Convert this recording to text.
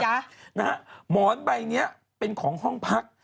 หมอนใบนี้เป็นของห้องพัก